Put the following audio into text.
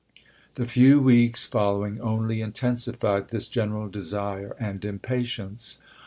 The few weeks following only intensified this general desire and impatience.